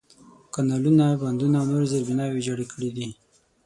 کانالونه، بندونه، او نورې زېربناوې ویجاړې کړي دي.